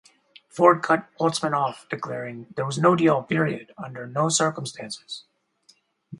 Ford cut Holtzman off, declaring, There was no deal, period, under no circumstances.